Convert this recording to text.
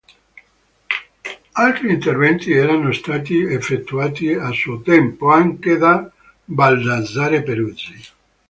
Altri interventi erano stati effettuati, a suo tempo, anche da Baldassarre Peruzzi.